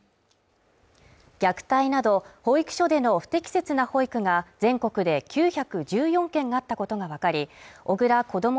虐待など、保育所での不適切な保育が全国で９１４件があったことがわかり、小倉こども